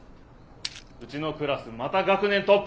うちのクラスまた学年トップ。